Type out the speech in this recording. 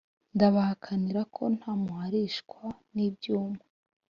ndabahakanira ko ntamuharishwa n’ibyuma